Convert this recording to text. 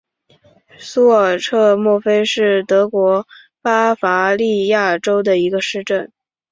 苏尔策莫斯是德国巴伐利亚州的一个市镇。